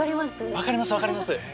分かります？